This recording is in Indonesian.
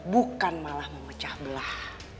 bukan malah memecah belah